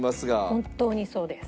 本当にそうです。